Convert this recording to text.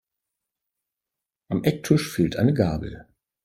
Am Ecktisch fehlt eine Gabel.